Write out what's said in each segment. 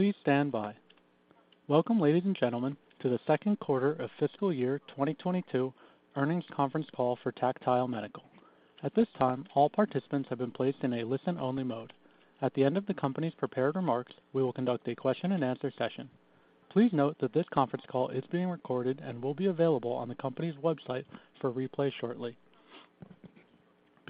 Please stand by. Welcome, ladies and gentlemen, to the second quarter of fiscal year 2022 earnings conference call for Tactile Medical. At this time, all participants have been placed in a listen-only mode. At the end of the company's prepared remarks, we will conduct a question-and-answer session. Please note that this conference call is being recorded and will be available on the company's website for replay shortly.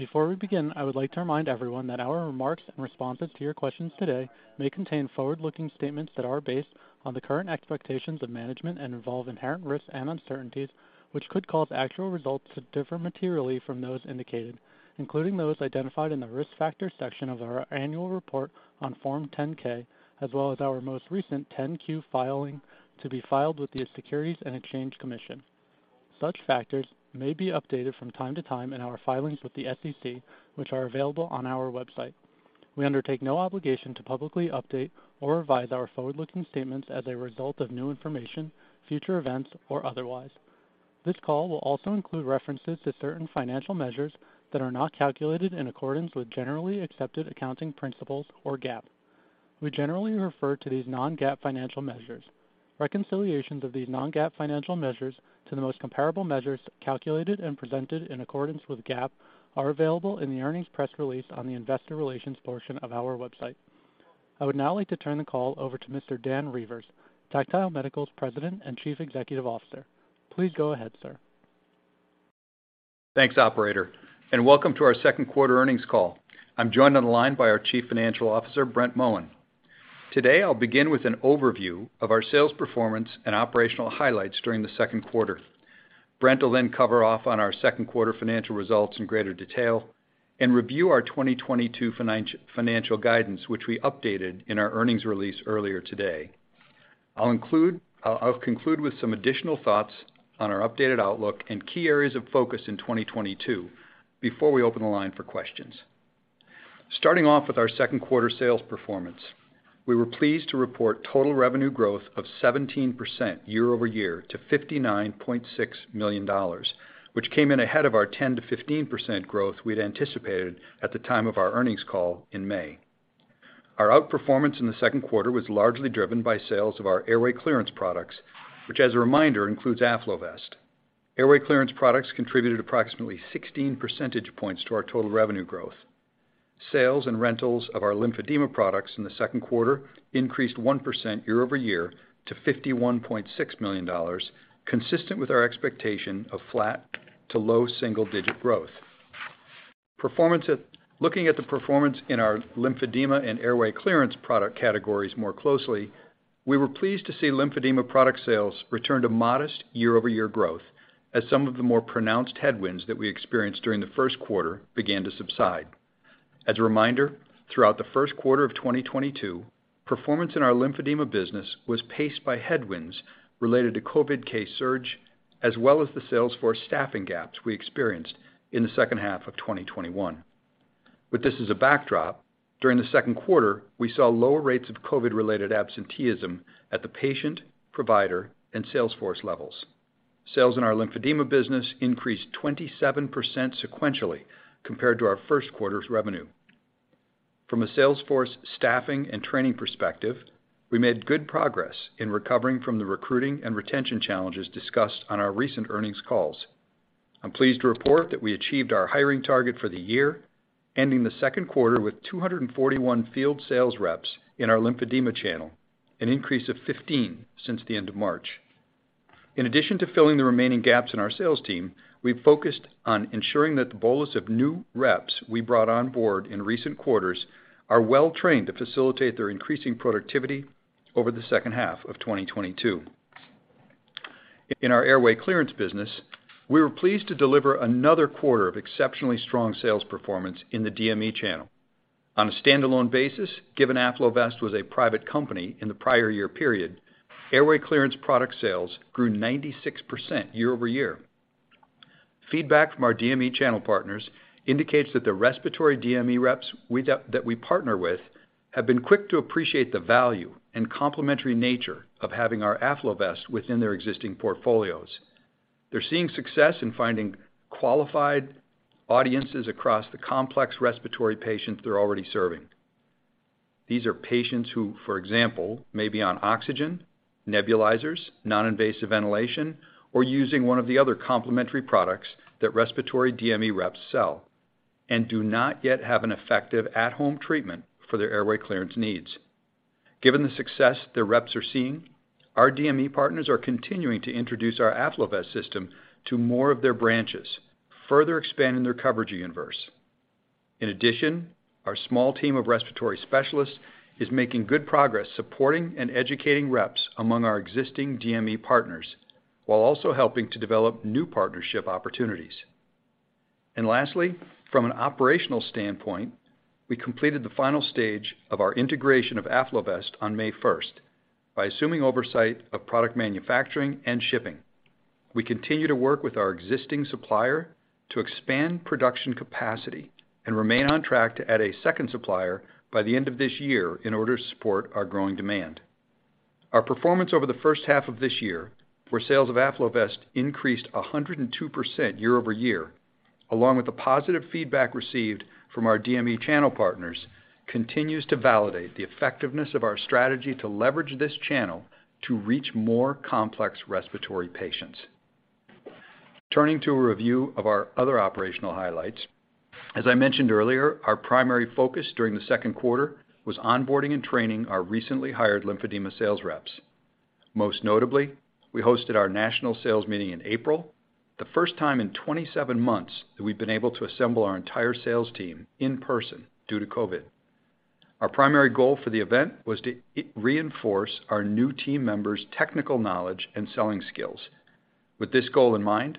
Before we begin, I would like to remind everyone that our remarks and responses to your questions today may contain forward-looking statements that are based on the current expectations of management and involve inherent risks and uncertainties, which could cause actual results to differ materially from those indicated, including those identified in the Risk Factors section of our annual report on Form 10-K, as well as our most recent 10-Q filing to be filed with the Securities and Exchange Commission. Such factors may be updated from time to time in our filings with the SEC, which are available on our website. We undertake no obligation to publicly update or revise our forward-looking statements as a result of new information, future events, or otherwise. This call will also include references to certain financial measures that are not calculated in accordance with generally accepted accounting principles, or GAAP. We generally refer to these non-GAAP financial measures. Reconciliations of these non-GAAP financial measures to the most comparable measures calculated and presented in accordance with GAAP are available in the earnings press release on the investor relations portion of our website. I would now like to turn the call over to Mr. Dan Reuvers, Tactile Medical's President and Chief Executive Officer. Please go ahead, sir. Thanks, operator, and welcome to our second quarter earnings call. I'm joined on the line by our Chief Financial Officer, Brent Moen. Today, I'll begin with an overview of our sales performance and operational highlights during the second quarter. Brent will then cover off on our second quarter financial results in greater detail and review our 2022 financial guidance, which we updated in our earnings release earlier today. I'll conclude with some additional thoughts on our updated outlook and key areas of focus in 2022 before we open the line for questions. Starting off with our second quarter sales performance, we were pleased to report total revenue growth of 17% year-over-year to $59.6 million, which came in ahead of our 10%-15% growth we'd anticipated at the time of our earnings call in May. Our outperformance in the second quarter was largely driven by sales of our Airway Clearance products, which, as a reminder, includes AffloVest. Airway Clearance products contributed approximately 16 percentage points to our total revenue growth. Sales and rentals of our lymphedema products in the second quarter increased 1% year-over-year to $51.6 million, consistent with our expectation of flat to low single-digit growth. Looking at the performance in our lymphedema and Airway Clearance product categories more closely, we were pleased to see lymphedema product sales return to modest year-over-year growth as some of the more pronounced headwinds that we experienced during the first quarter began to subside. As a reminder, throughout the first quarter of 2022, performance in our lymphedema business was paced by headwinds related to COVID case surge, as well as the sales force staffing gaps we experienced in the second half of 2021. With this as a backdrop, during the second quarter, we saw lower rates of COVID-related absenteeism at the patient, provider, and sales force levels. Sales in our lymphedema business increased 27% sequentially compared to our first quarter's revenue. From a sales force staffing and training perspective, we made good progress in recovering from the recruiting and retention challenges discussed on our recent earnings calls. I'm pleased to report that we achieved our hiring target for the year, ending the second quarter with 241 field sales reps in our lymphedema channel, an increase of 15 since the end of March. In addition to filling the remaining gaps in our sales team, we focused on ensuring that the bolus of new reps we brought on board in recent quarters are well-trained to facilitate their increasing productivity over the second half of 2022. In our Airway Clearance business, we were pleased to deliver another quarter of exceptionally strong sales performance in the DME channel. On a standalone basis, given AffloVest was a private company in the prior year period, Airway Clearance product sales grew 96% year-over-year. Feedback from our DME channel partners indicates that the respiratory DME reps we partner with have been quick to appreciate the value and complementary nature of having our AffloVest within their existing portfolios. They're seeing success in finding qualified audiences across the complex respiratory patients they're already serving. These are patients who, for example, may be on oxygen, nebulizers, non-invasive ventilation, or using one of the other complementary products that respiratory DME reps sell and do not yet have an effective at-home treatment for their Airway Clearance needs. Given the success the reps are seeing, our DME partners are continuing to introduce our AffloVest system to more of their branches, further expanding their coverage universe. In addition, our small team of respiratory specialists is making good progress supporting and educating reps among our existing DME partners, while also helping to develop new partnership opportunities. Lastly, from an operational standpoint, we completed the final stage of our integration of AffloVest on May 1st by assuming oversight of product manufacturing and shipping. We continue to work with our existing supplier to expand production capacity and remain on track to add a second supplier by the end of this year in order to support our growing demand. Our performance over the first half of this year, where sales of AffloVest increased 102% year-over-year, along with the positive feedback received from our DME channel partners, continues to validate the effectiveness of our strategy to leverage this channel to reach more complex respiratory patients. Turning to a review of our other operational highlights, as I mentioned earlier, our primary focus during the second quarter was onboarding and training our recently hired lymphedema sales reps. Most notably, we hosted our national sales meeting in April, the first time in 27 months that we've been able to assemble our entire sales team in person due to COVID. Our primary goal for the event was to reinforce our new team members' technical knowledge and selling skills. With this goal in mind,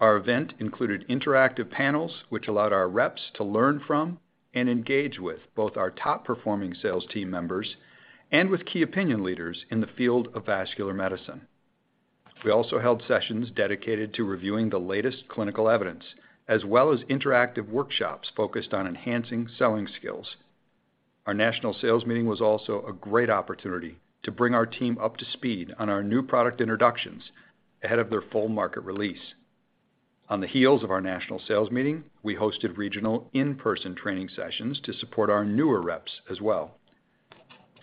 our event included interactive panels which allowed our reps to learn from and engage with both our top-performing sales team members and with key opinion leaders in the field of vascular medicine. We also held sessions dedicated to reviewing the latest clinical evidence, as well as interactive workshops focused on enhancing selling skills. Our national sales meeting was also a great opportunity to bring our team up to speed on our new product introductions ahead of their full market release. On the heels of our national sales meeting, we hosted regional in-person training sessions to support our newer reps as well.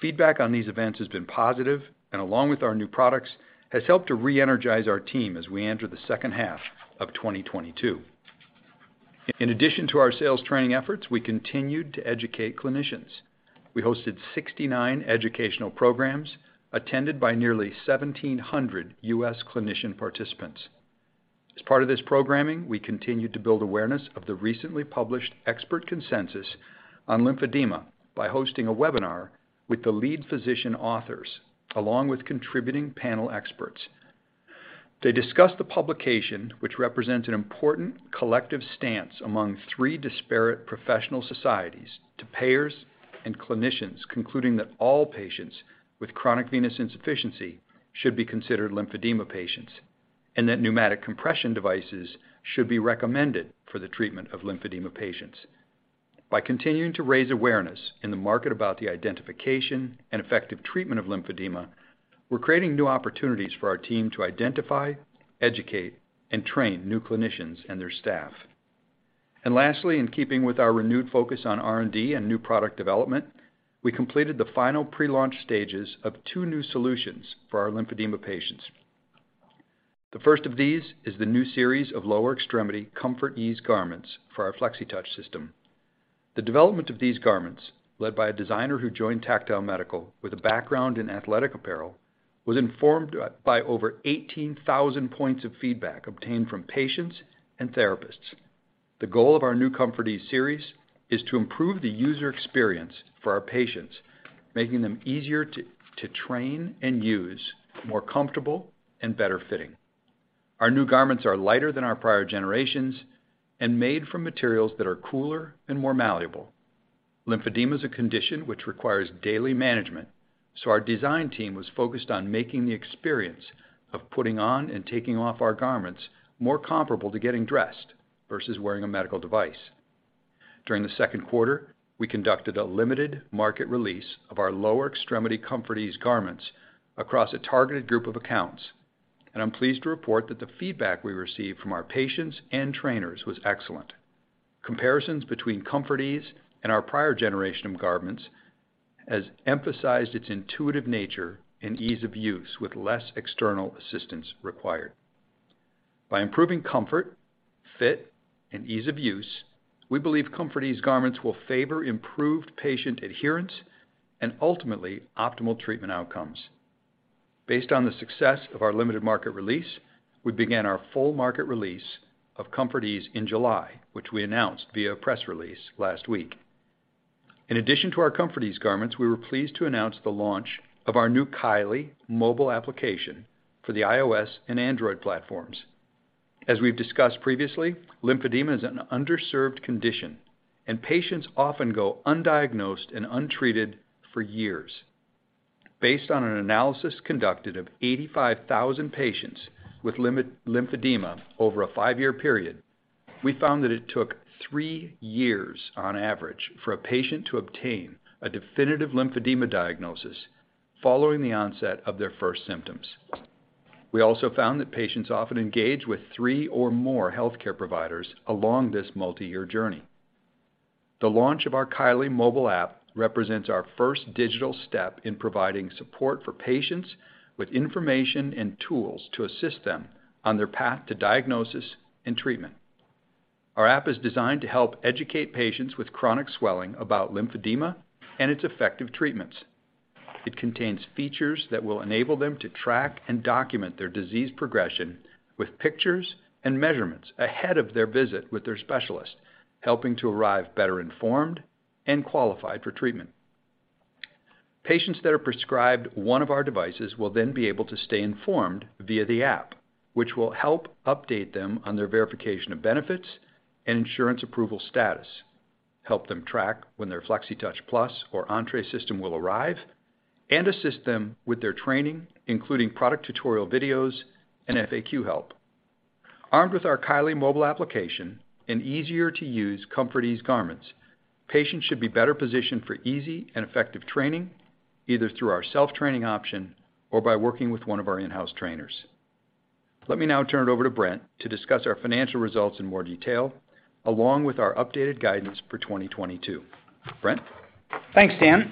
Feedback on these events has been positive, and along with our new products, has helped to re-energize our team as we enter the second half of 2022. In addition to our sales training efforts, we continued to educate clinicians. We hosted 69 educational programs attended by nearly 1,700 U.S. clinician participants. As part of this programming, we continued to build awareness of the recently published expert consensus on lymphedema by hosting a webinar with the lead physician authors, along with contributing panel experts. They discussed the publication, which represents an important collective stance among three disparate professional societies to payers and clinicians, concluding that all patients with chronic venous insufficiency should be considered lymphedema patients, and that pneumatic compression devices should be recommended for the treatment of lymphedema patients. By continuing to raise awareness in the market about the identification and effective treatment of lymphedema, we're creating new opportunities for our team to identify, educate, and train new clinicians and their staff. Lastly, in keeping with our renewed focus on R&D and new product development, we completed the final pre-launch stages of two new solutions for our lymphedema patients. The first of these is the new series of lower extremity ComfortEase garments for our Flexitouch System. The development of these garments, led by a designer who joined Tactile Medical with a background in athletic apparel, was informed by over 18,000 points of feedback obtained from patients and therapists. The goal of our new ComfortEase series is to improve the user experience for our patients, making them easier to train and use, more comfortable, and better fitting. Our new garments are lighter than our prior generations and made from materials that are cooler and more malleable. Lymphedema is a condition which requires daily management, so our design team was focused on making the experience of putting on and taking off our garments more comparable to getting dressed versus wearing a medical device. During the second quarter, we conducted a limited market release of our lower extremity ComfortEase garments across a targeted group of accounts, and I'm pleased to report that the feedback we received from our patients and trainers was excellent. Comparisons between ComfortEase and our prior generation of garments has emphasized its intuitive nature and ease of use with less external assistance required. By improving comfort, fit, and ease of use, we believe ComfortEase garments will favor improved patient adherence and ultimately optimal treatment outcomes. Based on the success of our limited market release, we began our full market release of ComfortEase in July, which we announced via a press release last week. In addition to our ComfortEase garments, we were pleased to announce the launch of our new Kylee mobile application for the iOS and Android platforms. As we've discussed previously, lymphedema is an underserved condition, and patients often go undiagnosed and untreated for years. Based on an analysis conducted of 85,000 patients with lymphedema over a five-year period, we found that it took three years on average for a patient to obtain a definitive lymphedema diagnosis following the onset of their first symptoms. We also found that patients often engage with three or more healthcare providers along this multiyear journey. The launch of our Kylee mobile app represents our first digital step in providing support for patients with information and tools to assist them on their path to diagnosis and treatment. Our app is designed to help educate patients with chronic swelling about lymphedema and its effective treatments. It contains features that will enable them to track and document their disease progression with pictures and measurements ahead of their visit with their specialist, helping to arrive better informed and qualified for treatment. Patients that are prescribed one of our devices will then be able to stay informed via the app, which will help update them on their verification of benefits and insurance approval status, help them track when their Flexitouch Plus or Entre System will arrive, and assist them with their training, including product tutorial videos and FAQ help. Armed with our Kylee mobile application and easier-to-use ComfortEase garments, patients should be better positioned for easy and effective training, either through our self-training option or by working with one of our in-house trainers. Let me now turn it over to Brent to discuss our financial results in more detail, along with our updated guidance for 2022. Brent? Thanks, Dan.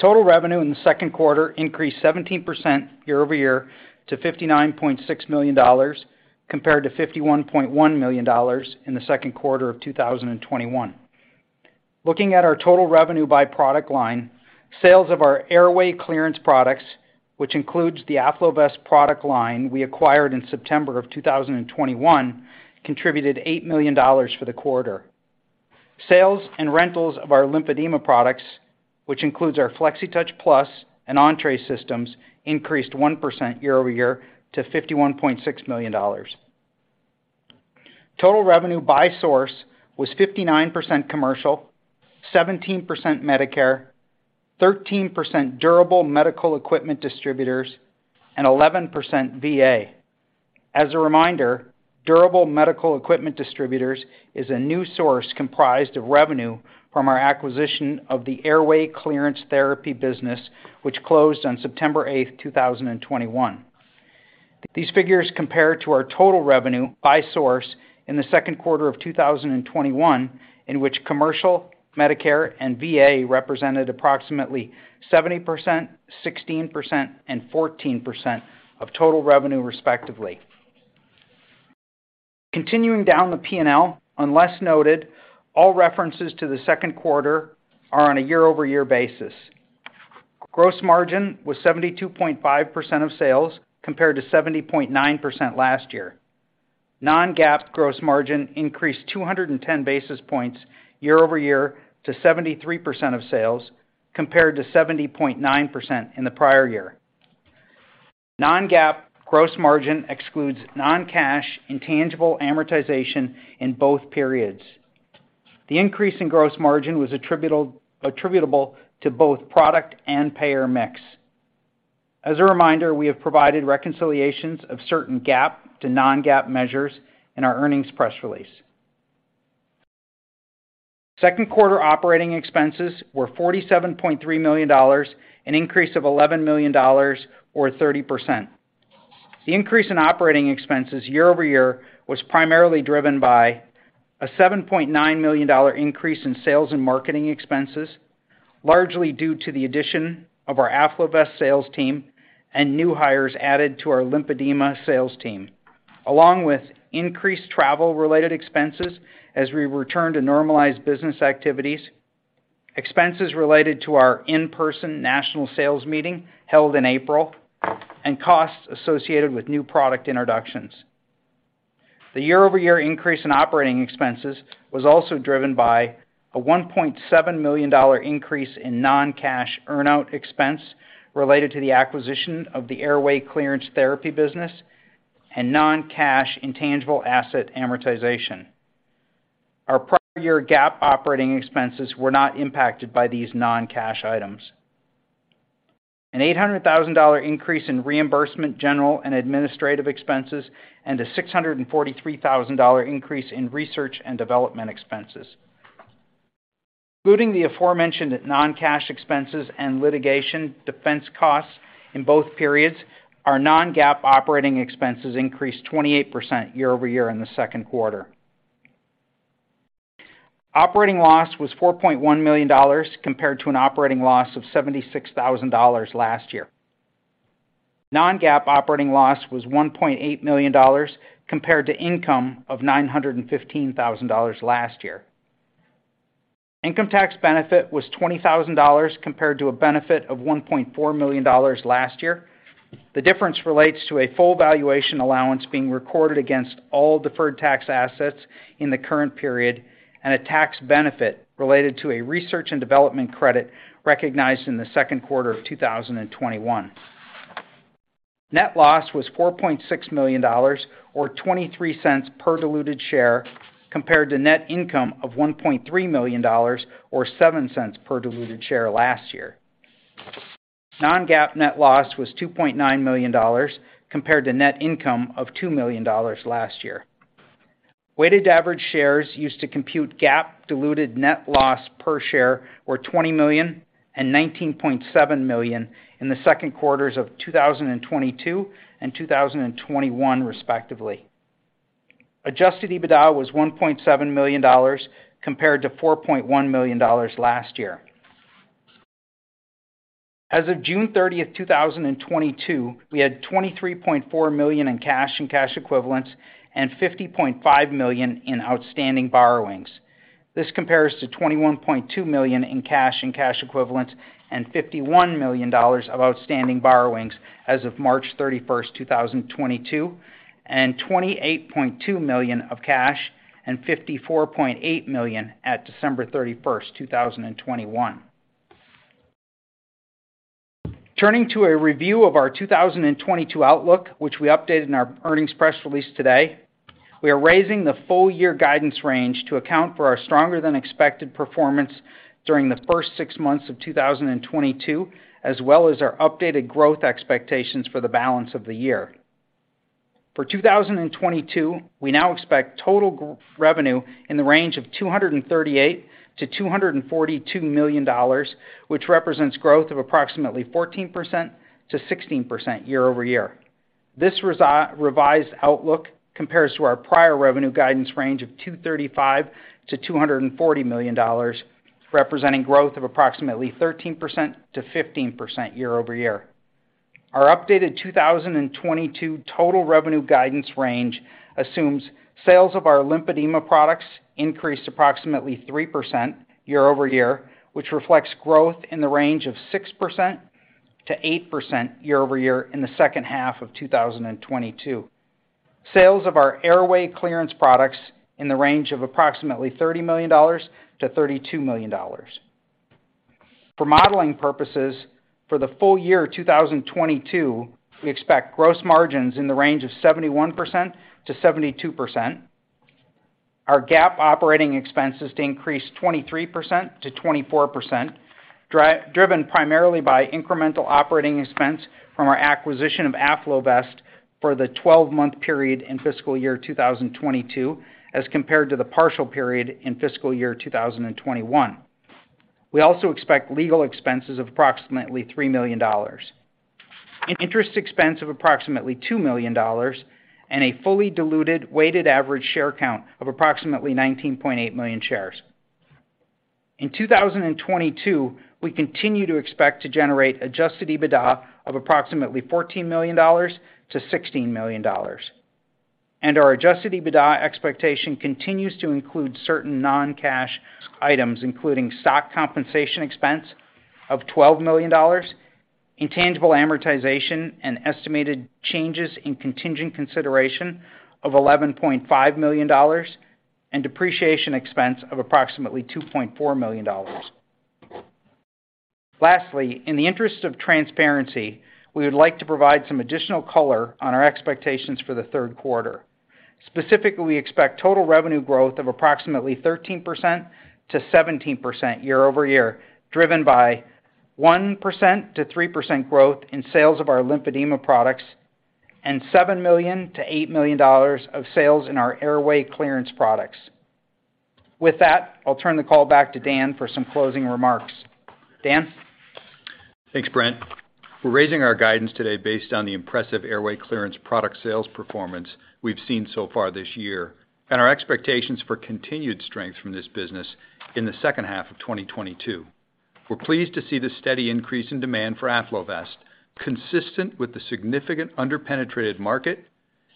Total revenue in the second quarter increased 17% year-over-year to $59.6 million compared to $51.1 million in the second quarter of 2021. Looking at our total revenue by product line, sales of our Airway Clearance products, which include the AffloVest product line we acquired in September of 2021, contributed $8 million for the quarter. Sales and rentals of our lymphedema products, which include our Flexitouch Plus and Entre System, increased 1% year-over-year to $51.6 million. Total revenue by source was 59% commercial, 17% Medicare, 13% Durable Medical Equipment distributors, and 11% VA. As a reminder, Durable Medical Equipment distributors is a new source comprised of from our acquisition of the Airway Clearance Therapy business, which closed on September 8, 2021. These figures compare to our total revenue by source in the second quarter of 2021, in which commercial, Medicare, and VA represented approximately 70%, 16%, and 14% of total revenue, respectively. Continuing down the P&L, unless noted, all references to the second quarter are on a year-over-year basis. Gross margin was 72.5% of sales, compared to 70.9% last year. Non-GAAP gross margin increased 210 basis points year-over-year to 73% of sales, compared to 70.9% in the prior year. Non-GAAP gross margin excludes non-cash intangible amortization in both periods. The increase in gross margin was attributable to both product and payer mix. As a reminder, we have provided reconciliations of certain GAAP to non-GAAP measures in our earnings press release. Second quarter operating expenses were $47.3 million, an increase of $11 million or 30%. The increase in operating expenses year-over-year was primarily driven by a $7.9 million increase in sales and marketing expenses, largely due to the addition of our AffloVest sales team and new hires added to our lymphedema sales team, along with increased travel-related expenses as we return to normalized business activities, expenses related to our in-person national sales meeting held in April, and costs associated with new product introductions. The year-over-year increase in operating expenses was also driven by a $1.7 million increase in non-cash earn-out expense related to the acquisition of the Airway Clearance Therapy business and non-cash intangible asset amortization. Our prior year GAAP operating expenses were not impacted by these non-cash items. An $800,000 increase in reimbursement, general, and administrative expenses, and a $643,000 increase in research and development expenses. Including the aforementioned non-cash expenses and litigation defense costs in both periods, our non-GAAP operating expenses increased 28% year-over-year in the second quarter. Operating loss was $4.1 million compared to an operating loss of $76,000 last year. Non-GAAP operating loss was $1.8 million compared to income of $915,000 last year. Income tax benefit was $20,000 compared to a benefit of $1.4 million last year. The difference relates to a full valuation allowance being recorded against all deferred tax assets in the current period and a tax benefit related to a research and development credit recognized in the second quarter of 2021. Net loss was $4.6 million or $0.23 per diluted share compared to net income of $1.3 million or $0.07 per diluted share last year. Non-GAAP net loss was $2.9 million compared to net income of $2 million last year. Weighted average shares used to compute GAAP diluted net loss per share were 20 million and 19.7 million in the second quarters of 2022 and 2021, respectively. Adjusted EBITDA was $1.7 million compared to $4.1 million last year. As of June 30th, 2022, we had $23.4 million in cash and cash equivalents and $50.5 million in outstanding borrowings. This compares to $21.2 million in cash and cash equivalents and $51 million of outstanding borrowings as of March 31st, 2022, and $28.2 million of cash and $54.8 million at December 31st, 2021. Turning to a review of our 2022 outlook, which we updated in our earnings press release today. We are raising the full-year guidance range to account for our stronger than expected performance during the first six months of 2022, as well as our updated growth expectations for the balance of the year. For 2022, we now expect total revenue in the range of $238 million-$242 million, which represents growth of approximately 14%-16% year-over-year. This revised outlook compares to our prior revenue guidance range of $235 million-$240 million, representing growth of approximately 13%-15% year-over-year. Our updated 2022 total revenue guidance range assumes sales of our lymphedema products increased approximately 3% year-over-year, which reflects growth in the range of 6%-8% year-over-year in the second half of 2022. Sales of our Airway Clearance products in the range of approximately $30 million-$32 million. For modeling purposes, for the full-year 2022, we expect gross margins in the range of 71%-72%. Our GAAP operating expenses to increase 23%-24%, driven primarily by incremental operating expense from our acquisition of AffloVest for the 12-month period in fiscal year 2022, as compared to the partial period in fiscal year 2021. We also expect legal expenses of approximately $3 million, an interest expense of approximately $2 million, and a fully diluted weighted average share count of approximately 19.8 million shares. In 2022, we continue to expect to generate adjusted EBITDA of approximately $14 million-$16 million. Our adjusted EBITDA expectation continues to include certain non-cash items, including stock compensation expense of $12 million, intangible amortization, and estimated changes in contingent consideration of $11.5 million, and depreciation expense of approximately $2.4 million. Lastly, in the interest of transparency, we would like to provide some additional color on our expectations for the third quarter. Specifically, we expect total revenue growth of approximately 13%-17% year-over-year, driven by 1%-3% growth in sales of our lymphedema products and $7 million-$8 million of sales in our Airway Clearance products. With that, I'll turn the call back to Dan for some closing remarks. Dan? Thanks, Brent. We're raising our guidance today based on the impressive Airway Clearance product sales performance we've seen so far this year, and our expectations for continued strength from this business in the second half of 2022. We're pleased to see the steady increase in demand for AffloVest, consistent with the significant under-penetrated market,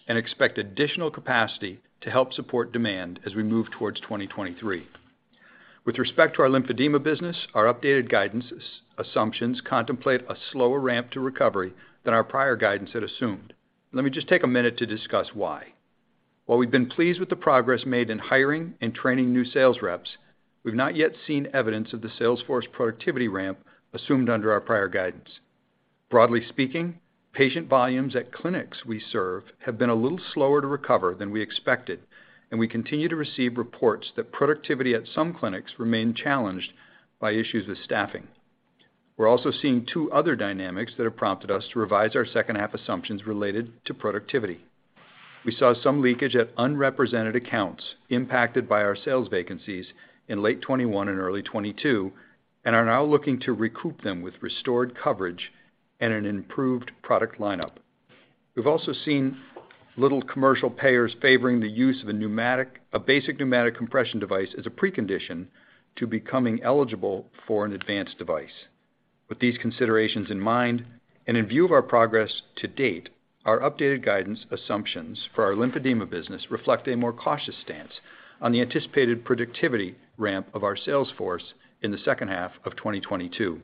and expect additional capacity to help support demand as we move towards 2023. With respect to our lymphedema business, our updated guidance assumptions contemplate a slower ramp to recovery than our prior guidance had assumed. Let me just take a minute to discuss why. While we've been pleased with the progress made in hiring and training new sales reps, we've not yet seen evidence of the sales force productivity ramp assumed under our prior guidance. Broadly speaking, patient volumes at clinics we serve have been a little slower to recover than we expected, and we continue to receive reports that productivity at some clinics remains challenged by issues with staffing. We're also seeing two other dynamics that have prompted us to revise our second half assumptions related to productivity. We saw some leakage at unrepresented accounts impacted by our sales vacancies in late 2021 and early 2022, and are now looking to recoup them with restored coverage and an improved product lineup. We've also seen commercial payers favoring the use of a basic pneumatic compression device as a precondition to becoming eligible for an advanced device. With these considerations in mind, and in view of our progress to date, our updated guidance assumptions for our lymphedema business reflect a more cautious stance on the anticipated productivity ramp of our sales force in the second half of 2022.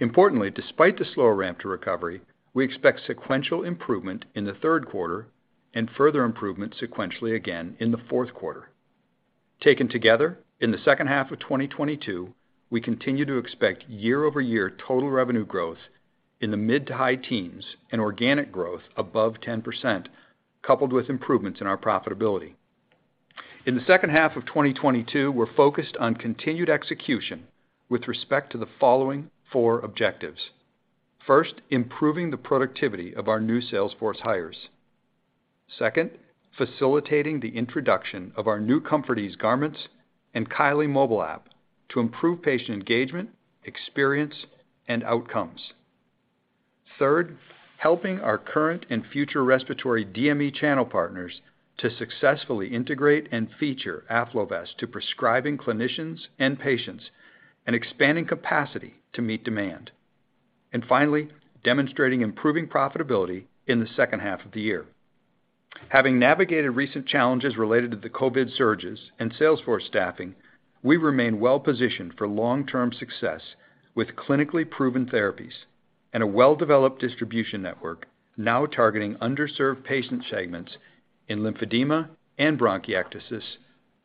Importantly, despite the slower ramp to recovery, we expect sequential improvement in the third quarter and further improvement sequentially again in the fourth quarter. Taken together, in the second half of 2022, we continue to expect year-over-year total revenue growth in the mid- to high teens and organic growth above 10%, coupled with improvements in our profitability. In the second half of 2022, we're focused on continued execution with respect to the following four objectives. First, improving the productivity of our new sales force hires. Second, facilitating the introduction of our new ComfortEase garments and Kylee mobile app to improve patient engagement, experience, and outcomes. Third, helping our current and future respiratory DME channel partners to successfully integrate and feature AffloVest to prescribing clinicians and patients, and expanding capacity to meet demand. Finally, demonstrating improving profitability in the second half of the year. Having navigated recent challenges related to the COVID surges and sales force staffing, we remain well-positioned for long-term success with clinically proven therapies and a well-developed distribution network now targeting underserved patient segments in lymphedema and bronchiectasis.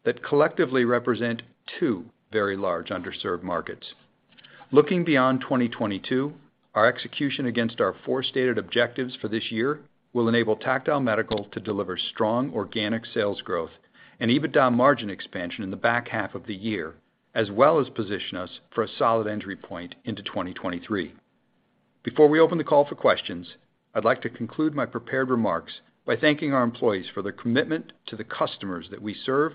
That collectively represent two very large underserved markets. Looking beyond 2022, our execution against our four stated objectives for this year will enable Tactile Medical to deliver strong organic sales growth and EBITDA margin expansion in the back half of the year, as well as position us for a solid entry point into 2023. Before we open the call for questions, I'd like to conclude my prepared remarks by thanking our employees for their commitment to the customers that we serve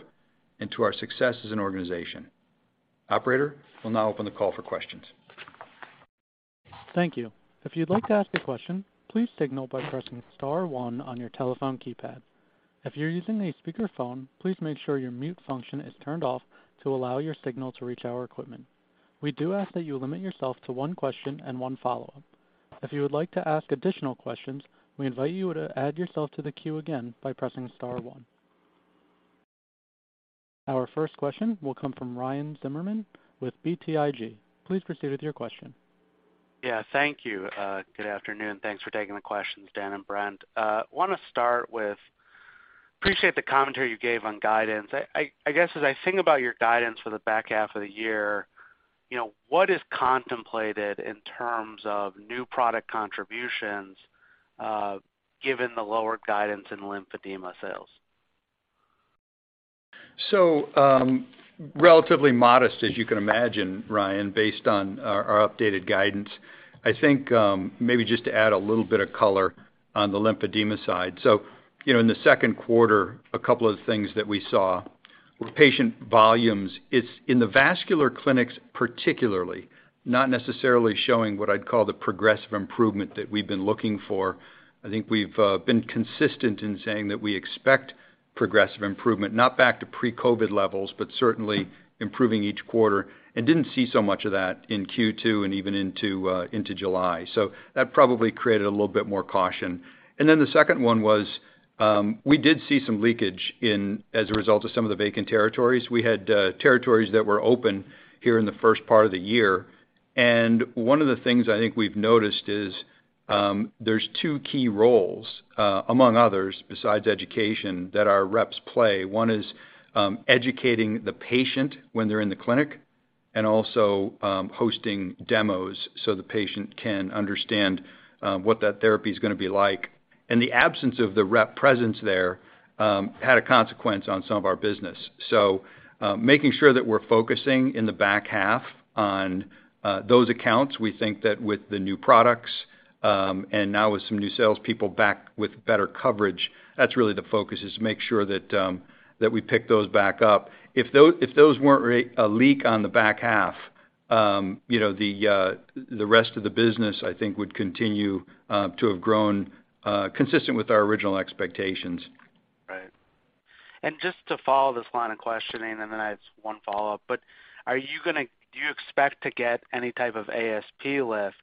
and to our success as an organization. Operator, we'll now open the call for questions. Thank you. If you'd like to ask a question, please signal by pressing star one on your telephone keypad. If you're using a speakerphone, please make sure your mute function is turned off to allow your signal to reach our equipment. We do ask that you limit yourself to one question and one follow-up. If you would like to ask additional questions, we invite you to add yourself to the queue again by pressing star one. Our first question will come from Ryan Zimmerman with BTIG. Please proceed with your question. Yeah, thank you. Good afternoon. Thanks for taking the questions, Dan and Brent. Wanna start with appreciating the commentary you gave on guidance. I guess, as I think about your guidance for the back half of the year, you know, what is contemplated in terms of new product contributions, given the lower guidance in lymphedema sales? Relatively modest, as you can imagine, Ryan, based on our updated guidance. I think, maybe just to add a little bit of color on the lymphedema side. You know, in the second quarter, a couple of things that we saw with patient volumes. It was in the vascular clinics, particularly, not necessarily showing what I'd call the progressive improvement that we've been looking for. I think we've been consistent in saying that we expect progressive improvement, not back to pre-COVID levels, but certainly improving each quarter, and didn't see so much of that in Q2 and even into July. That probably created a little bit of caution. Then the second one was, we did see some leakage in as a result of some of the vacant territories. We had territories that were open here in the first part of the year. One of the things I think we've noticed is, there's two key roles, among others, besides education, that our reps play. One is, educating the patient when they're in the clinic, and also, hosting demos so the patient can understand, what that therapy is gonna be like. The absence of the rep presence there, had a consequence on some of our business. Making sure that we're focusing in the back half on, those accounts, we think that with the new products, and now with some new salespeople back with better coverage, that's really the focus, is to make sure that we pick those back up. If though, if those weren't a real leak on the back half, you know, the rest of the business, I think, would continue to have grown consistent with our original expectations. Right. Just to follow this line of questioning, and then I have just one follow-up. Do you expect to get any type of ASP lift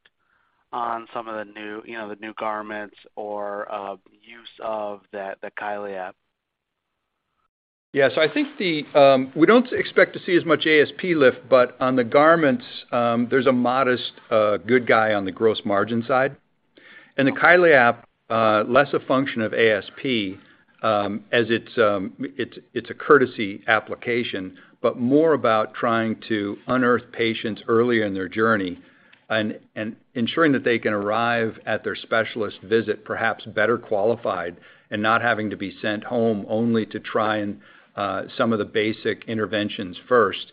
on some of the new, you know, the new garments, or use of the Kylee app? Yes. I think the, we don't expect to see as much ASP lift, but on the garments, there's a modest good guy on the gross margin side. The Kylee app, less a function of ASP, as it's a courtesy application, but more about trying to unearth patients earlier in their journey and ensuring that they can arrive at their specialist visit perhaps better qualified and not having to be sent home only to try and some of the basic interventions first.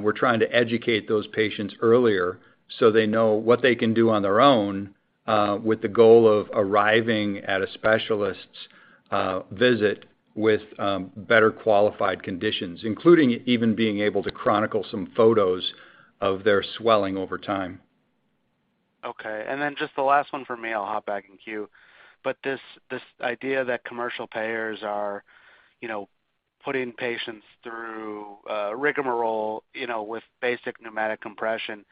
We're trying to educate those patients earlier so they know what they can do on their own, with the goal of arriving at a specialist's visit with better-qualified conditions, including even being able to chronicle some photos of their swelling over time. Okay. Then just the last one for me, I'll hop back in the queue. This idea that commercial payers are, you know, putting patients through rigamarole, you know, with basic pneumatic compression,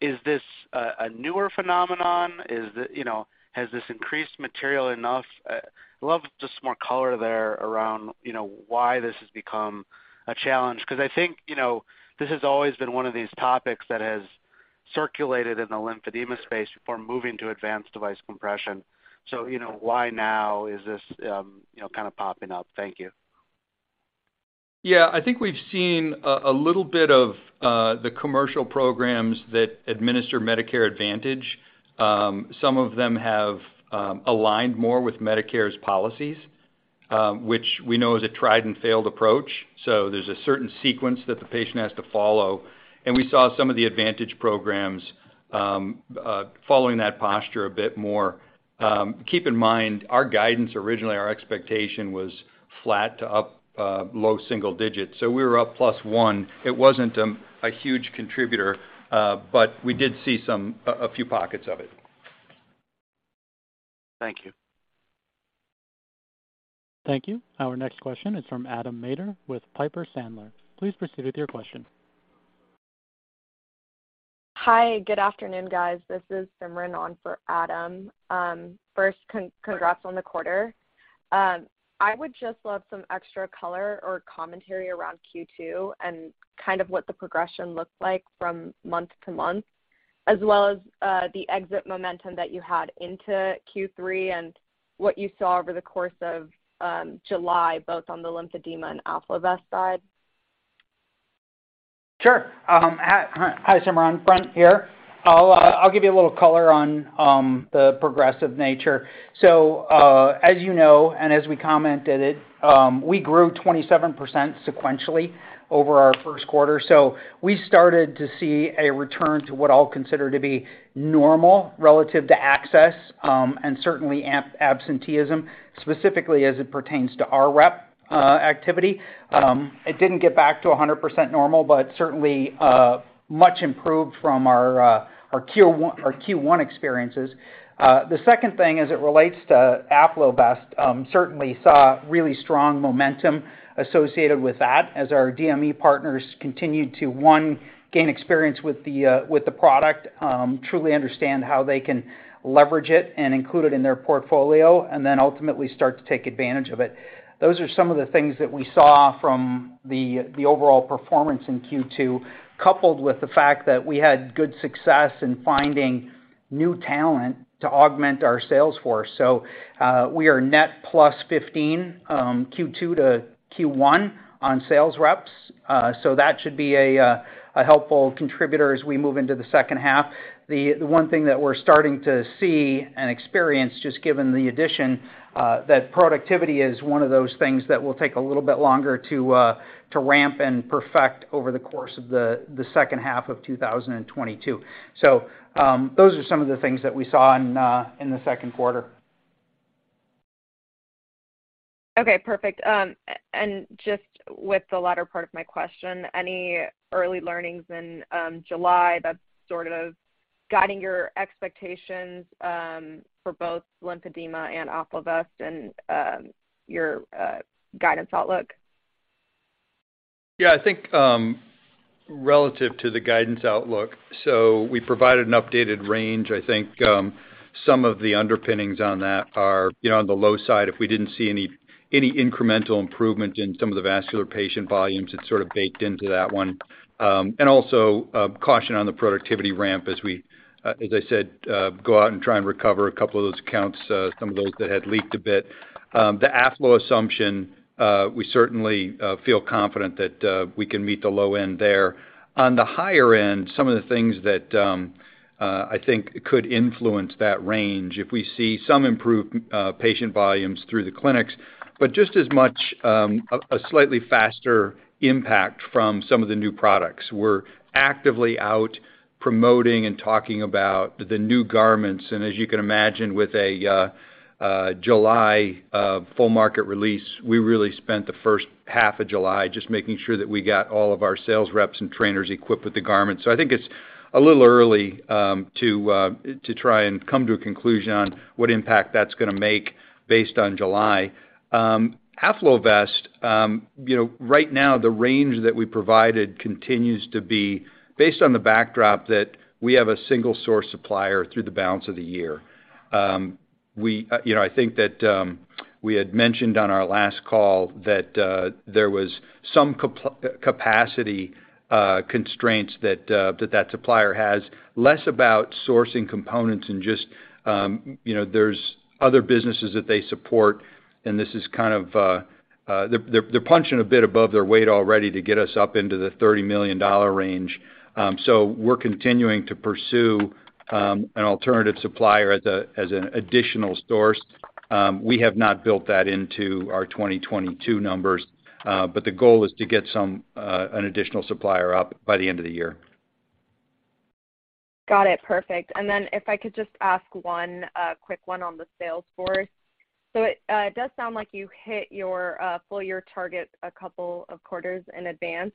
is this a newer phenomenon? Is it? You know, has this increased materially enough? I'd love some more color there around, you know, why this has become a challenge. 'Cause I think, you know, this has always been one of these topics that has circulated in the lymphedema space before moving to advanced device compression. You know, why now is this, you know, kinda popping up? Thank you. Yeah. I think we've seen a little bit of the commercial programs that administer Medicare Advantage. Some of them have aligned more with Medicare's policies, which we know is a tried and failed approach. There's a certain sequence that the patient has to follow, and we saw some of the Advantage programs following that posture a bit more. Keep in mind, our guidance, originally, our expectation was flat to up low single-digits. We were up +1. It wasn't a huge contributor, but we did see some a few pockets of it. Thank you. Thank you. Our next question is from Adam Maeder with Piper Sandler. Please proceed with your question. Hi. Good afternoon, guys. This is Simran on for Adam. First, congrats on the quarter. I would just love some extra color or commentary around Q2, and kind of what the progression looked like from month to month. As well as the exit momentum that you had into Q3 and what you saw over the course of July, both on the lymphedema and AffloVest side. Sure. Hi, Simran, Brent here. I'll give you a little color on the progressive nature. As you know, and as we commented it, we grew 27% sequentially over our first quarter. We started to see a return to what I'll consider to be normal relative to access, and certainly absenteeism, specifically as it pertains to our rep activity. It didn't get back to 100% normal, but certainly much improved from our Q1 experiences. The second thing, as it relates to AffloVest, certainly saw really strong momentum associated with that as our DME partners continued to, one, gain experience with the product, truly understand how they can leverage it and include it in their portfolio, and then ultimately start to take advantage of it. Those are some of the things that we saw from the overall performance in Q2, coupled with the fact that we had good success in finding new talent to augment our sales force. We are net +15 Q2 to Q1 on sales reps. That should be a helpful contributor as we move into the second half. The one thing that we're starting to see and experience, just given the addition, that productivity is one of those things that will take a little bit longer to ramp and perfect over the course of the second half of 2022. Those are some of the things that we saw in the second quarter. Okay, perfect. Just with the latter part of my question, any early learnings in July that's sort of guiding your expectations for both lymphedema and AffloVest, and your guidance outlook? Yeah. I think relative to the guidance outlook, we provided an updated range. I think some of the underpinnings on that are, you know, on the low side, if we didn't see any incremental improvement in some of the vascular patient volumes, it's sort of baked into that one. Also, caution on the productivity ramp, as I said, go out and try and recover a couple of those accounts, some of those that had leaked a bit. The AffloVest assumption, we certainly feel confident that we can meet the low end there. On the higher end, some of the things that I think could influence that range if we see some improved patient volumes through the clinics, but just as much, a slightly faster impact from some of the new products. We're actively out promoting and talking about the new garments, and as you can imagine, with a July full market release, we really spent the first half of July just making sure that we got all of our sales reps and trainers equipped with the garments. I think it's a little early to try and come to a conclusion on what impact that's gonna make based on July. AffloVest, you know, right now the range that we provided continues to be based on the backdrop that we have a single source supplier through the balance of the year. We, you know, I think that, we had mentioned on our last call that, there was some capacity constraints that supplier has, less about sourcing components and just, you know, there's other businesses that they support, and this is kind of, they're punching a bit above their weight already to get us up into the $30 million range. So we're continuing to pursue, an alternative supplier as an additional source. We have not built that into our 2022 numbers, but the goal is to get an additional supplier up by the end of the year. Got it. Perfect. If I could just ask one quick one on the sales force. It does sound like you hit your full-year target a couple of quarters in advance.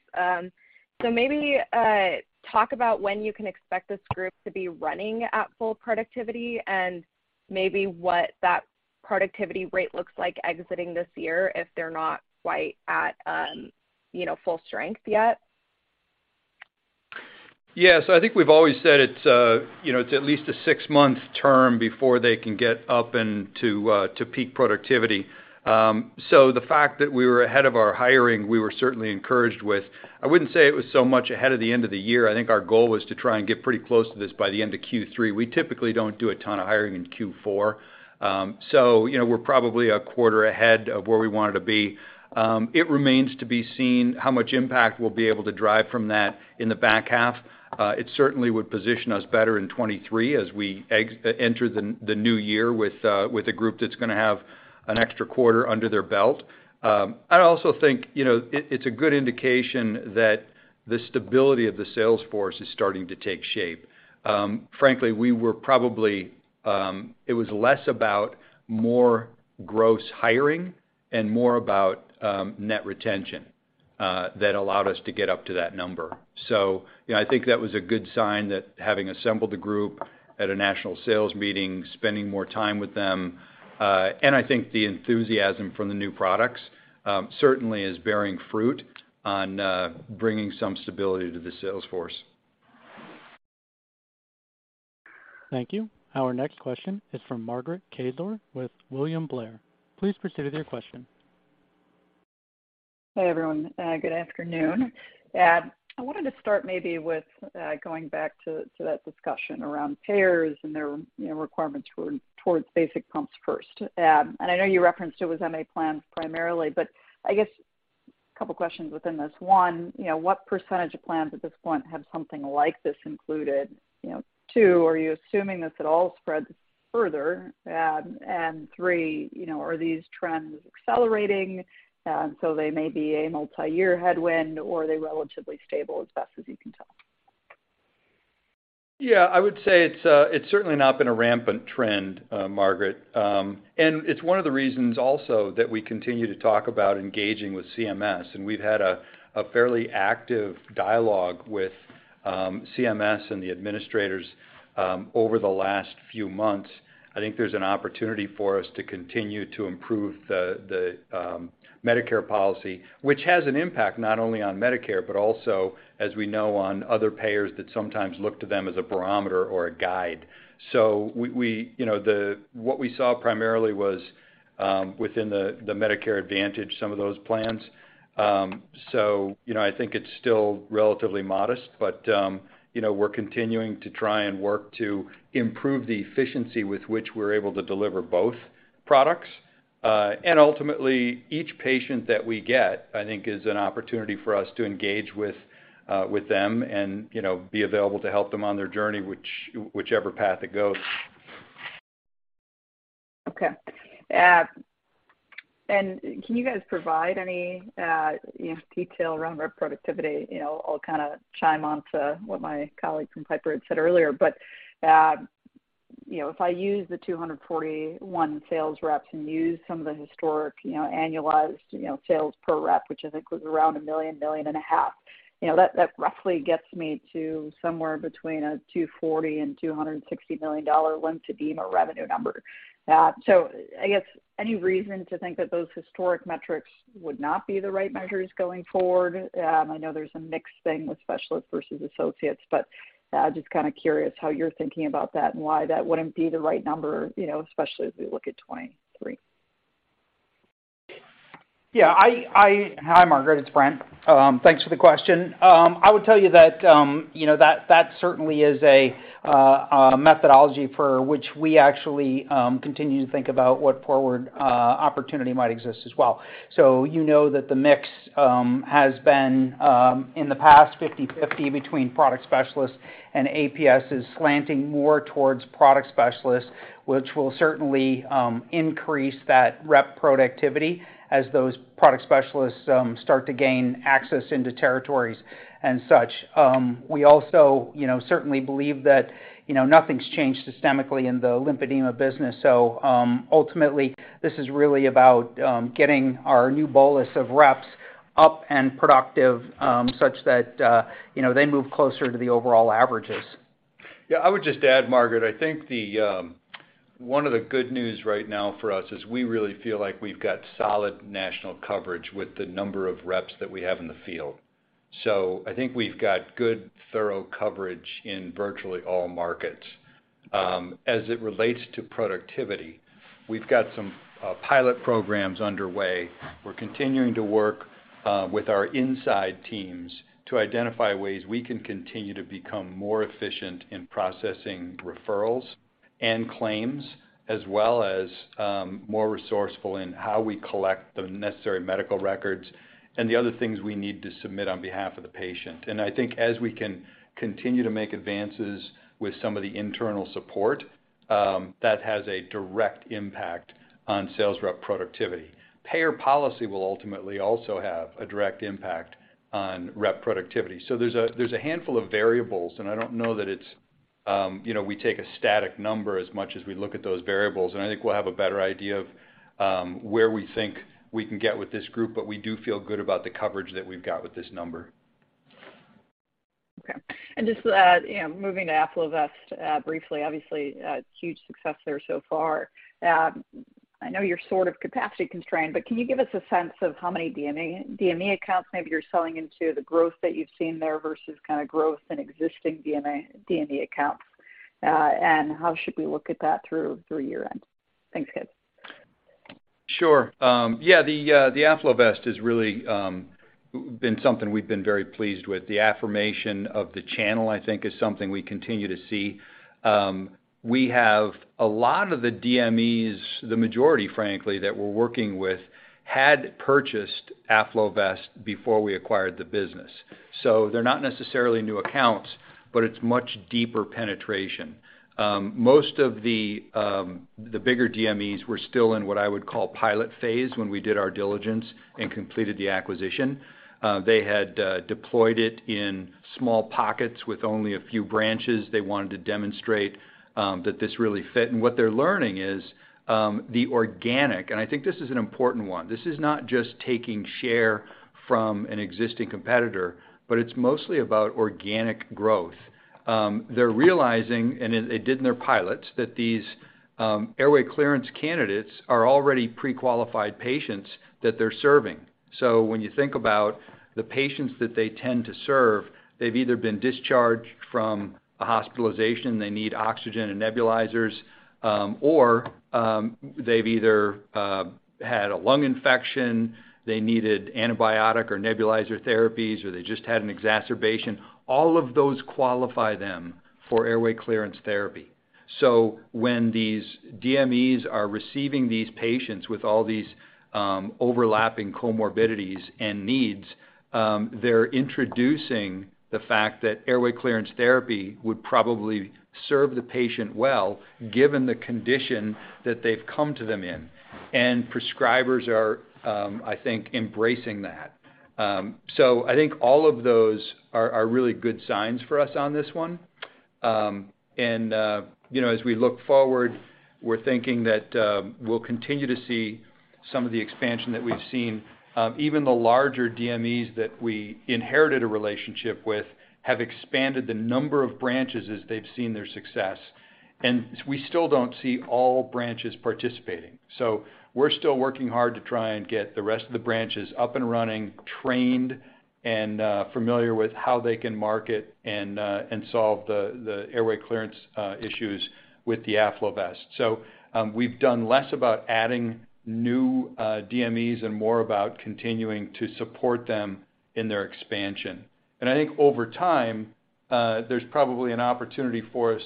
Maybe talk about when you can expect this group to be running at full productivity, and maybe what that productivity rate looks like exiting this year if they're not quite at, you know, full strength yet. Yeah. I think we've always said it's, you know, it's at least a six-month term before they can get up into, to peak productivity. The fact that we were ahead of our hiring, we were certainly encouraged with. I wouldn't say it was so much ahead of the end of the year. I think our goal was to try and get pretty close to this by the end of Q3. We typically don't do a ton of hiring in Q4. You know, we're probably a quarter ahead of where we wanted to be. It remains to be seen how much impact we'll be able to drive from that in the back half. It certainly would position us better in 2023 as we enter the new year with a group that's gonna have an extra quarter under their belt. I also think, you know, it's a good indication that the stability of the sales force is starting to take shape. Frankly, we were probably. It was less about gross hiring and more about net retention that allowed us to get up to that number. You know, I think that was a good sign that having assembled the group at a national sales meeting, spending more time with them, and I think the enthusiasm from the new products certainly is bearing fruit on bringing some stability to the sales force. Thank you. Our next question is from Margaret Kaczor with William Blair. Please proceed with your question. Hi, everyone. Good afternoon. I wanted to start maybe with going back to that discussion around payers and their, you know, requirements towards basic pumps first. I know you referenced it was MA plans primarily, but I guess a couple of questions within this. One, you know, what percentage of plans at this point have something like this included? You know, two, are you assuming this would all spread further? Three, you know, are these trends accelerating, so they may be a multiyear headwind? Or are they relatively stable, as best as you can tell? Yeah. I would say it's certainly not been a rampant trend, Margaret. It's one of the reasons also that we continue to talk about engaging with CMS, and we've had a fairly active dialogue with CMS and the administrators over the last few months. I think there's an opportunity for us to continue to improve the Medicare policy, which has an impact not only on Medicare, but also, as we know, on other payers that sometimes look to them as a barometer or a guide. We, you know, what we saw primarily was within the Medicare Advantage, some of those plans. You know, I think it's still relatively modest, but, you know, we're continuing to try and work to improve the efficiency with which we're able to deliver both products. Ultimately, each patient that we get, I think, is an opportunity for us to engage with them and, you know, be available to help them on their journey, whichever path it goes. Okay. Can you guys provide any, you know, details around rep productivity? You know, I'll kind of chime on to what my colleagues from Piper had said earlier. You know, if I use the 241 sales reps and use some of the historic, you know, annualized, you know, sales per rep, which I think was around $1 million-$1.5 million, you know, that roughly gets me to somewhere between $240 million and $260 million lymphedema revenue number. I guess any reason to think that those historic metrics would not be the right measures going forward? I know there's a mix thing with specialists versus associates, but just kind of curious how you're thinking about that and why that wouldn't be the right number, you know, especially as we look at 2023? Yeah. Hi, Margaret, it's Brent. Thanks for the question. I would tell you that, you know, that certainly is a methodology for which we actually continue to think about what forward opportunity might exist as well. You know that the mix has been in the past 50/50 between product specialists and APS is slanting more towards product specialists, which will certainly increase that rep productivity as those product specialists start to gain access into territories and such. We also, you know, certainly believe that, you know, nothing's changed systemically in the lymphedema business, so ultimately, this is really about getting our new bolus of reps up and productive such that, you know, they move closer to the overall averages. Yeah. I would just add, Margaret, I think the one of the good news right now for us is we really feel like we've got solid national coverage with the number of reps that we have in the field. I think we've got good, thorough coverage in virtually all markets. As it relates to productivity, we've got some pilot programs underway. We're continuing to work with our inside teams to identify ways we can continue to become more efficient in processing referrals and claims, as well as more resourceful in how we collect the necessary medical records and the other things we need to submit on behalf of the patient. I think as we can continue to make advances with some of the internal support, that has a direct impact on sales rep productivity. Payer policy will ultimately also have a direct impact on rep productivity. There's a handful of variables, and I don't know that it's, you know, we take a static number as much as we look at those variables. I think we'll have a better idea of where we think we can get with this group, but we do feel good about the coverage that we've got with this number. Okay. Just, you know, moving to AffloVest briefly. Obviously, a huge success there so far. I know you're sort of capacity constrained, but can you give us a sense of how many DME accounts maybe you're selling into, the growth that you've seen there, versus kind of growth in existing DME accounts? How should we look at that through year-end? Thanks, guys. Sure. Yeah, the AffloVest has really been something we've been very pleased with. The affirmation of the channel, I think, is something we continue to see. We have a lot of the DMEs, the majority, frankly, that we're working with had purchased AffloVest before we acquired the business. So they're not necessarily new accounts, but it's much deeper penetration. Most of the bigger DMEs were still in what I would call a pilot phase when we did our diligence and completed the acquisition. They had deployed it in small pockets with only a few branches. They wanted to demonstrate that this really fit. What they're learning is the organic, and I think this is an important one. This is not just taking share from an existing competitor, but it's mostly about organic growth. They're realizing, and they did in their pilots, that these Airway Clearance candidates are already pre-qualified patients that they're serving. When you think about the patients that they tend to serve, they've either been discharged from a hospitalization, they need oxygen and nebulizers, or they've either had a lung infection, they needed antibiotic or nebulizer therapies, or they just had an exacerbation. All of those qualify them for Airway Clearance Therapy. When these DMEs are receiving these patients with all these overlapping comorbidities and needs, they're introducing the fact that Airway Clearance Therapy would probably serve the patient well, given the condition that they've come to them in. Prescribers are, I think, embracing that. I think all of those are really good signs for us on this one. You know, as we look forward, we're thinking that we'll continue to see some of the expansion that we've seen. Even the larger DMEs that we inherited a relationship with have expanded the number of branches as they've seen their success. We still don't see all branches participating. We're still working hard to try and get the rest of the branches up and running, trained, and familiar with how they can market and solve the Airway Clearance issues with the AffloVest. We've done less about adding new DMEs and more about continuing to support them in their expansion. I think over time, there's probably an opportunity for us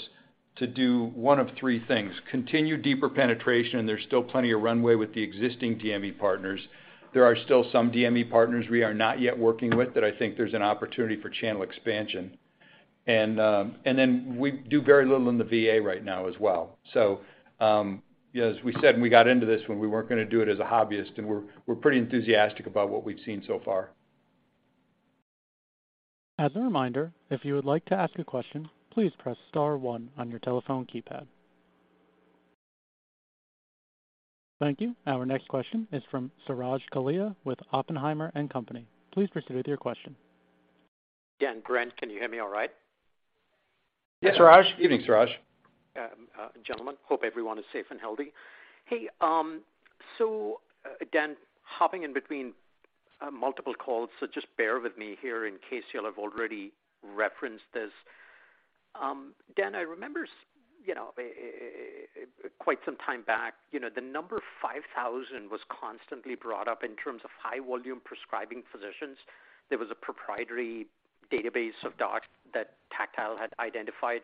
to do one of three things, continue deeper penetration, and there's still plenty of runway with the existing DME partners. There are still some DME partners we are not yet working with that I think there's an opportunity for channel expansion. We do very little in the VA right now as well. As we said when we got into this, when we weren't gonna do it as a hobbyist, we're pretty enthusiastic about what we've seen so far. As a reminder, if you would like to ask a question, please press star one on your telephone keypad. Thank you. Our next question is from Suraj Kalia with Oppenheimer & Co. Inc. Please proceed with your question. Dan, Brent, can you hear me all right? Yes, Suraj. Good evening, Suraj. Gentlemen, hope everyone is safe and healthy. Hey, so, Dan, hopping in between multiple calls, so just bear with me here in case y'all have already referenced this. Dan, I remember you know, quite some time back, you know, the number 5,000 was constantly brought up in terms of high-volume prescribing physicians. There was a proprietary database of docs that Tactile had identified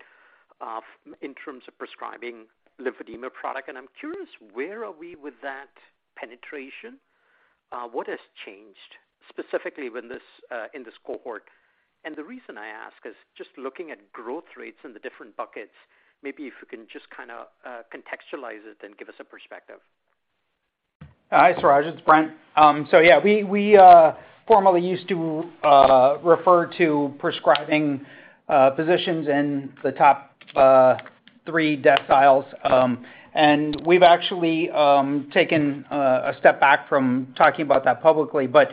in terms of prescribing the lymphedema product. I'm curious, where are we with that penetration? What has changed specifically in this cohort? The reason I ask is just looking at growth rates in the different buckets, maybe if you can just kinda contextualize it and give us a perspective. Hi, Suraj. It's Brent. Yeah, we formerly used to refer to prescribing physicians in the top three deciles. We've actually taken a step back from talking about that publicly, but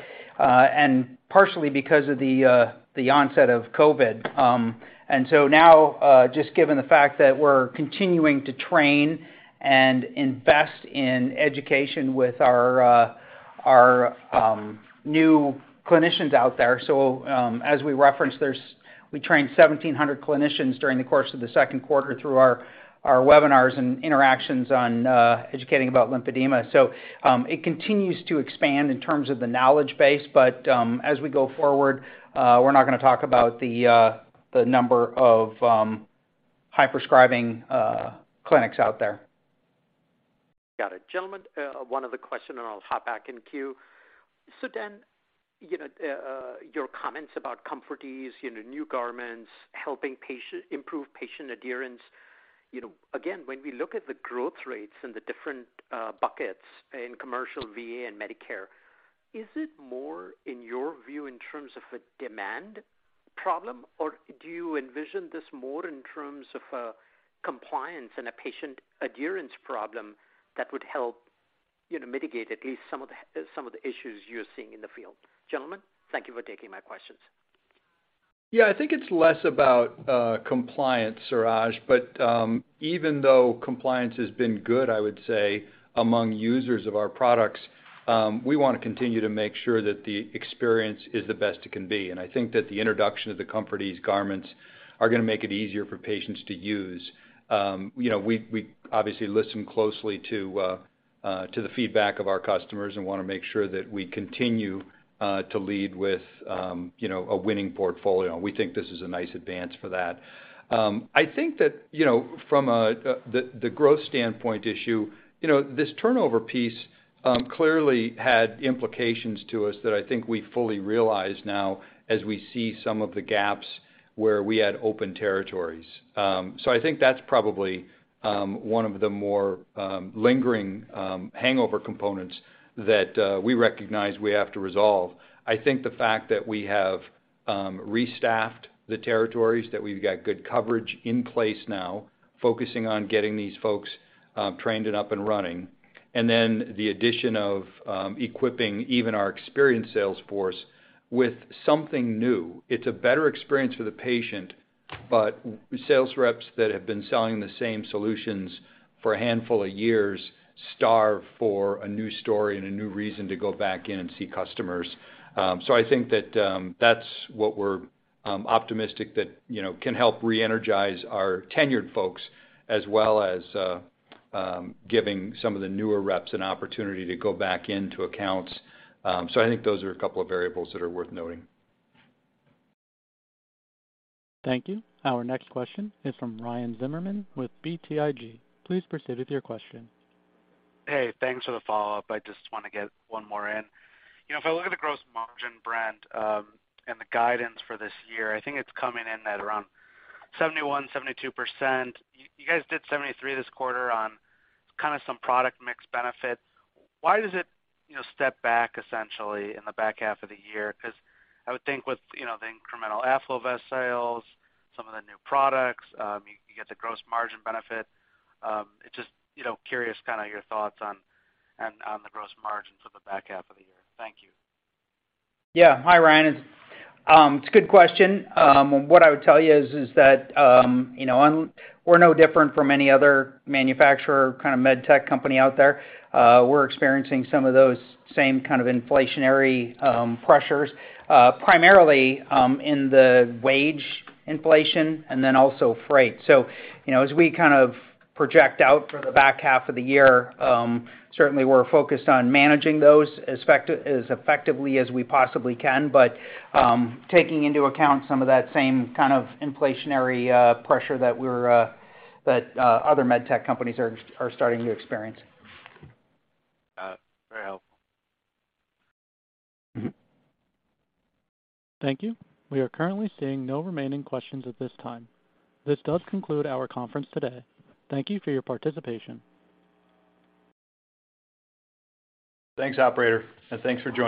partially because of the onset of COVID. Now, just given the fact that we're continuing to train and invest in education with our new clinicians out there. As we referenced, we trained 1,700 clinicians during the course of the second quarter through our webinars and interactions on educating about lymphedema. It continues to expand in terms of the knowledge base, but as we go forward, we're not gonna talk about the number of high-prescribing clinics out there. Got it. Gentlemen, one other question and I'll hop back in the queue. Dan, you know, your comments about ComfortEase, you know, new garments, helping improve patient adherence, you know, again, when we look at the growth rates and the different buckets in commercial VA and Medicare, is it more, in your view, in terms of a demand problem, or do you envision this more in terms of a compliance and a patient adherence problem that would help, you know, mitigate at least some of the issues you're seeing in the field? Gentlemen, thank you for taking my questions. Yeah. I think it's less about compliance, Suraj. Even though compliance has been good, I would say, among users of our products, we wanna continue to make sure that the experience is the best it can be. I think that the introduction of the ComfortEase garments are gonna make it easier for patients to use. You know, we obviously listen closely to the feedback of our customers and wanna make sure that we continue to lead with, you know, a winning portfolio. We think this is a nice advance for that. I think that, you know, the growth standpoint issue, you know, this turnover piece clearly had implications to us that I think we fully realize now as we see some of the gaps where we had open territories. I think that's probably one of the more lingering hangover components that we recognize we have to resolve. I think the fact that we have restaffed the territories, that we've got good coverage in place now, focusing on getting these folks trained and up and running, and then the addition of equipping even our experienced sales force with something new. It's a better experience for the patient, but sales reps that have been selling the same solutions for a handful of years starve for a new story and a new reason to go back in and see customers. I think that that's what we're optimistic that, you know, can help reenergize our tenured folks as well as giving some of the newer reps an opportunity to go back into accounts. I think those are a couple of variables that are worth noting. Thank you. Our next question is from Ryan Zimmerman with BTIG. Please proceed with your question. Hey, thanks for the follow-up. I just wanna get one more in. You know, if I look at the gross margin, Brent, and the guidance for this year, I think it's coming in at around 71%-72%. You guys did 73% this quarter on kinda some product mix benefit. Why does it, you know, step back essentially in the back half of the year? 'Cause I would think with, you know, the incremental AffloVest sales, some of the new products, you get the gross margin benefit. It's just, you know, curious kinda your thoughts on the gross margins for the back half of the year. Thank you. Yeah. Hi, Ryan. It's a good question. What I would tell you is that you know, we're no different from any other manufacturer, kind of med tech company out there. We're experiencing some of those same kind of inflationary pressures, primarily in the wage inflation and then also freight. You know, as we kind of project out for the back half of the year, certainly we're focused on managing those as effectively as we possibly can, but taking into account some of that same kind of inflationary pressure that other med tech companies are starting to experience. Got it. Very helpful. Thank you. We are currently seeing no remaining questions at this time. This does conclude our conference today. Thank you for your participation. Thanks, operator, and thanks for joining.